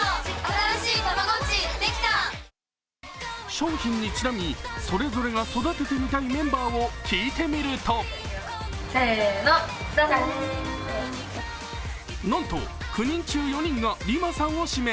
商品にちなみ、それぞれ育ててみたいメンバーを聞いてみるとなんと、９人中４人がＲＩＭＡさんを指名。